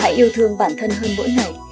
hãy yêu thương bản thân hơn mỗi ngày